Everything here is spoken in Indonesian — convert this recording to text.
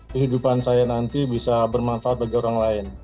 kehidupan saya nanti bisa bermanfaat bagi orang lain